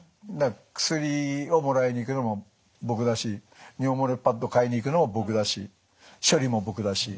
薬をもらいに行くのも僕だし尿漏れパッド買いに行くのも僕だし処理も僕だし。